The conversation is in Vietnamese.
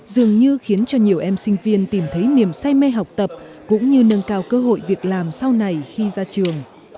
dường như khiến cho nhiều em sinh viên tìm thấy niềm say mê học tập cũng như nâng cao cơ hội việc làm sau này khi ra trường